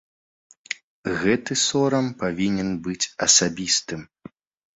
Гэты сорам павінен быць асабістым.